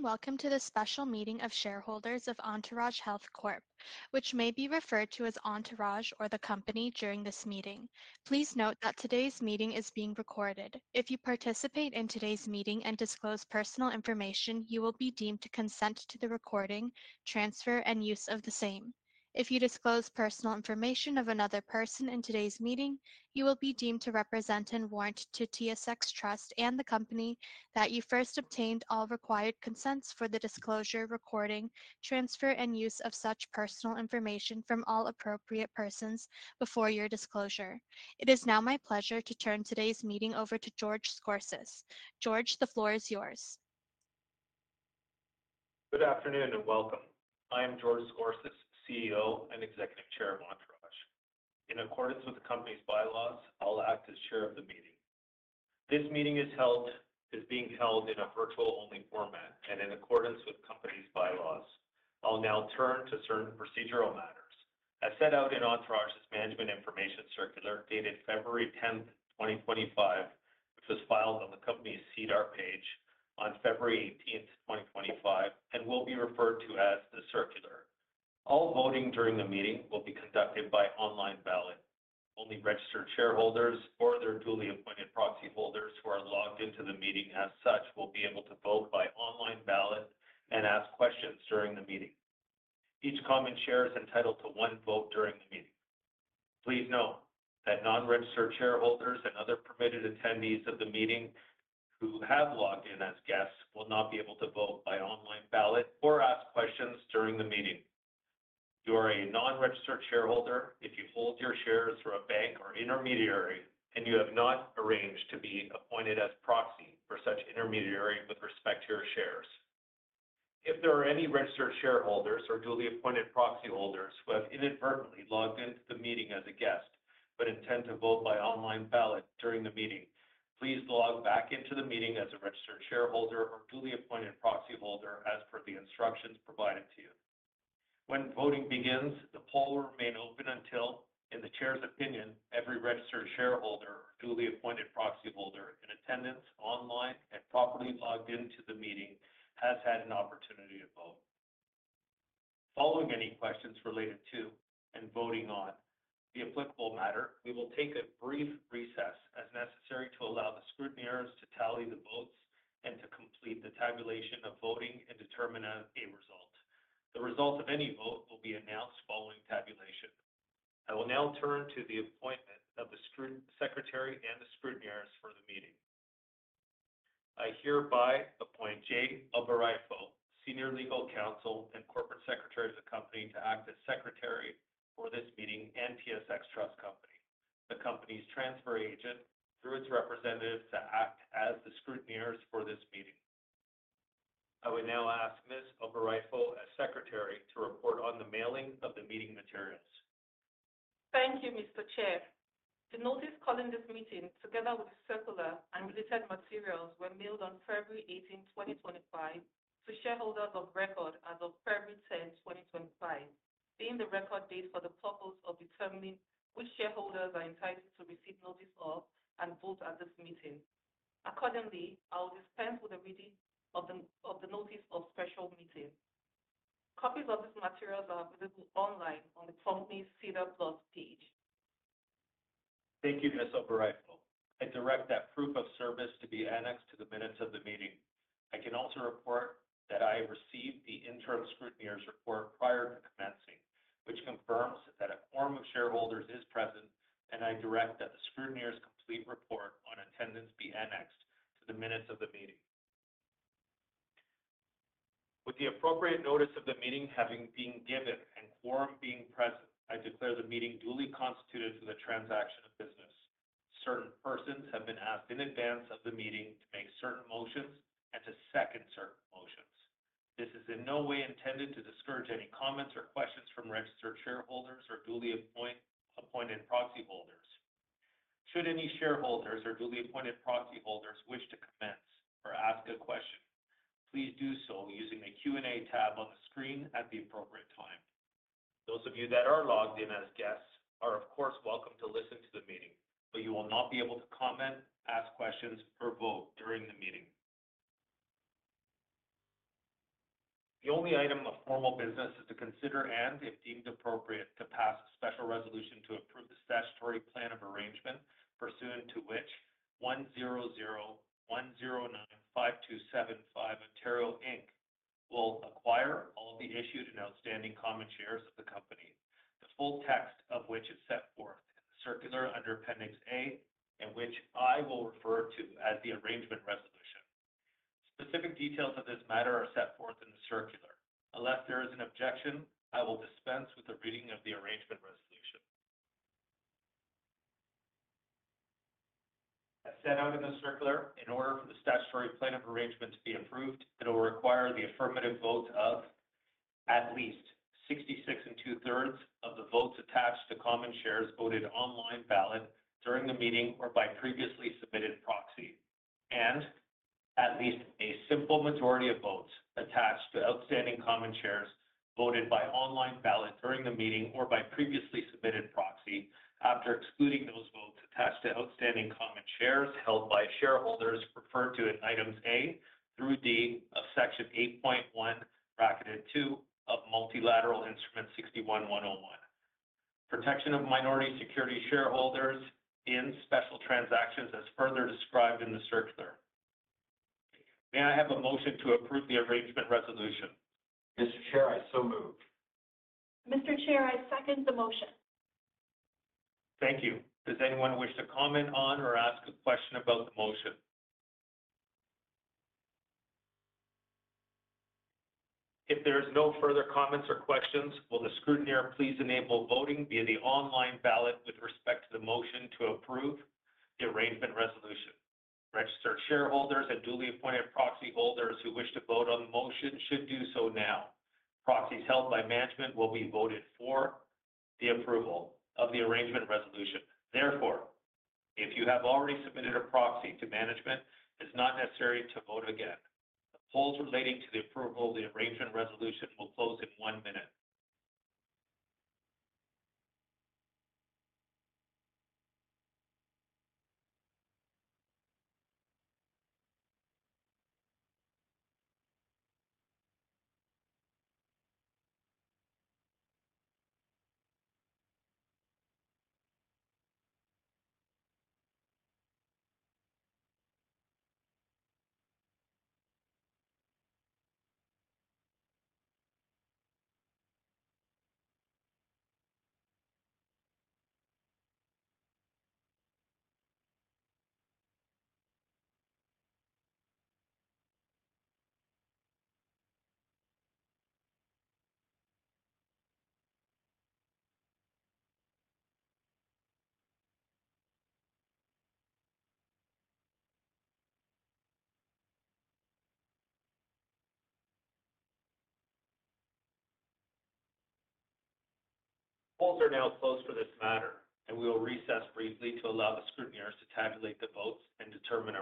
Hello and welcome to the special meeting of shareholders of Entourage Health Corp, which may be referred to as Entourage or the Company during this meeting. Please note that today's meeting is being recorded. If you participate in today's meeting and disclose personal information, you will be deemed to consent to the recording, transfer, and use of the same. If you disclose personal information of another person in today's meeting, you will be deemed to represent and warrant to TSX Trust and the Company that you first obtained all required consents for the disclosure, recording, transfer, and use of such personal information from all appropriate persons before your disclosure. It is now my pleasure to turn today's meeting over to George Scorsis. George, the floor is yours. Good afternoon and welcome. I am George Scorsis, CEO and Executive Chair of Entourage. In accordance with the Company's bylaws, I'll act as Chair of the meeting. This meeting is being held in a virtual-only format, and in accordance with the Company's bylaws, I'll now turn to certain procedural matters. As set out in Entourage's Management Information Circular dated February 10, 2025, which was filed on the Company's SEDAR+ page on February 18, 2025, and will be referred to as the Circular. All voting during the meeting will be conducted by online ballot. Only registered shareholders or their duly appointed proxy holders who are logged into the meeting as such will be able to vote by online ballot and ask questions during the meeting. Each common share is entitled to one vote during the meeting. Please note that non-registered shareholders and other permitted attendees of the meeting who have logged in as guests will not be able to vote by online ballot or ask questions during the meeting. You are a non-registered shareholder if you hold your shares through a bank or intermediary, and you have not arranged to be appointed as proxy for such intermediary with respect to your shares. If there are any registered shareholders or duly appointed proxy holders who have inadvertently logged into the meeting as a guest but intend to vote by online ballot during the meeting, please log back into the meeting as a registered shareholder or duly appointed proxy holder as per the instructions provided to you. When voting begins, the poll will remain open until, in the Chair's opinion, every registered shareholder or duly appointed proxy holder in attendance, online, and properly logged into the meeting has had an opportunity to vote. Following any questions related to and voting on the applicable matter, we will take a brief recess as necessary to allow the scrutineers to tally the votes and to complete the tabulation of voting and determine a result. The result of any vote will be announced following tabulation. I will now turn to the appointment of the Secretary and the scrutineers for the meeting. I hereby appoint J. Albarrijo, Senior Legal Counsel and Corporate Secretary of the Company, to act as Secretary for this meeting and TSX Trust Company, the Company's transfer agent through its representatives, to act as the scrutineers for this meeting. I would now ask Ms. Albarrijo, as Secretary, to report on the mailing of the meeting materials. Thank you, Mr. Chair. The notice calling this meeting, together with the Circular and related materials, were mailed on February 18, 2025, to shareholders of record as of February 10, 2025, being the record date for the purpose of determining which shareholders are entitled to receive notice of and vote at this meeting. Accordingly, I will dispense with the reading of the notice of special meeting. Copies of these materials are available online on the Company's SEDAR+ page. Thank you, Ms. Albarrijo. I direct that proof of service to be annexed to the minutes of the meeting. I can also report that I received the interim scrutineer's report prior to commencing, which confirms that a quorum of shareholders is present, and I direct that the scrutineer's complete report on attendance be annexed to the minutes of the meeting. With the appropriate notice of the meeting having been given and quorum being present, I declare the meeting duly constituted for the transaction of business. Certain persons have been asked in advance of the meeting to make certain motions and to second certain motions. This is in no way intended to discourage any comments or questions from registered shareholders or duly appointed proxy holders. Should any shareholders or duly appointed proxy holders wish to commence or ask a question, please do so using the Q&A tab on the screen at the appropriate time. Those of you that are logged in as guests are, of course, welcome to listen to the meeting, but you will not be able to comment, ask questions, or vote during the meeting. The only item of formal business is to consider and, if deemed appropriate, to pass a special resolution to approve the Statutory Plan of Arrangement pursuant to which 1001095275 Ontario Inc. will acquire all the issued and outstanding common shares of the Company, the full text of which is set forth in the Circular under Appendix A, and which I will refer to as the Arrangement Resolution. Specific details of this matter are set forth in the Circular. Unless there is an objection, I will dispense with the reading of the Arrangement Resolution. As set out in the Circular, in order for the Statutory Plan of Arrangement to be approved, it will require the affirmative vote of at least 66 2/3% of the votes attached to common shares voted online ballot during the meeting or by previously submitted proxy, and at least a simple majority of votes attached to outstanding common shares voted by online ballot during the meeting or by previously submitted proxy, after excluding those votes attached to outstanding common shares held by shareholders referred to in Items A through D of Section 8.1(2) of Multilateral Instrument 61-101, Protection of Minority Security Holders in Special Transactions as further described in the Circular. May I have a motion to approve the arrangement resolution? Mr. Chair, I so move. Mr. Chair, I second the motion. Thank you. Does anyone wish to comment on or ask a question about the motion? If there are no further comments or questions, will the scrutineer please enable voting via the online ballot with respect to the motion to approve the Arrangement Resolution? Registered shareholders and duly appointed proxy holders who wish to vote on the motion should do so now. Proxies held by management will be voted for the approval of the Arrangement Resolution. Therefore, if you have already submitted a proxy to management, it's not necessary to vote again. The polls relating to the approval of the Arrangement Resolution will close in one minute. Polls are now closed for this matter, and we will recess briefly to allow the scrutineers to tabulate the votes and determine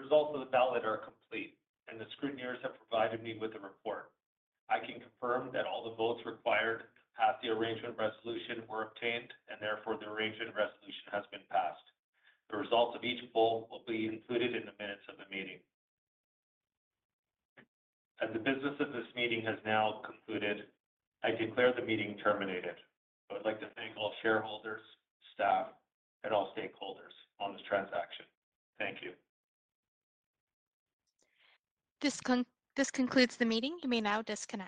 a result. Results of the ballot are complete, and the scrutineers have provided me with a report. I can confirm that all the votes required to pass the Arrangement Resolution were obtained, and therefore the Arrangement Resolution has been passed. The results of each poll will be included in the minutes of the meeting. As the business of this meeting has now concluded, I declare the meeting terminated. I would like to thank all shareholders, staff, and all stakeholders on this transaction. Thank you. This concludes the meeting. You may now disconnect.